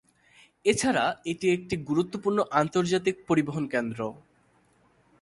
এছাড়া এটি একটি গুরুত্বপূর্ণ আন্তর্জাতিক পরিবহন কেন্দ্র।